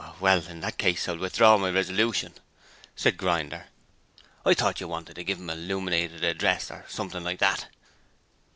'Oh, well, in that case I'll withdraw my resolution,' said Grinder. 'I thought you wanted to give 'im a 'luminated address or something like that.'